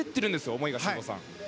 思いが、修造さん。